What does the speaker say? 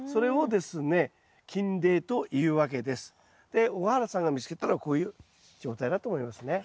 で小原さんが見つけたのはこういう状態だと思いますね。